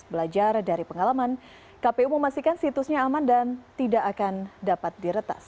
belajar dari pengalaman kpu memastikan situsnya aman dan tidak akan dapat diretas